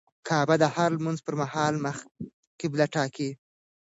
کعبه د هر لمونځه پر مهال مخ قبله ټاکي.